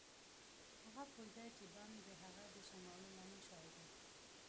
هغه پوهیده چې بم د هغه د شرمولو لامل شوی دی